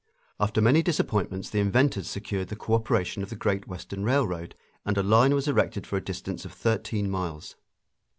After many disappointments the inventors secured the cooperation of the Great Western Railroad, and a line was erected for a distance of thirteen miles.